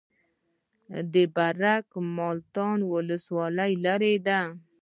برګ مټال ولسوالۍ لیرې ده؟